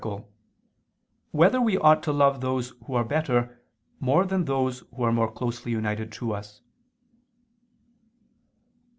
7] Whether We Ought to Love Those Who Are Better More Than Those Who Are More Closely United Us?